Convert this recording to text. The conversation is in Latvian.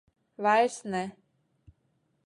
Vairs ne.